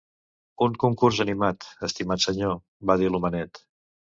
"Un concurs animat, estimat senyor", va dir l'homenet.